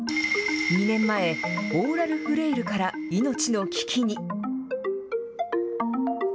２年前、オーラルフレイルから命の危機に。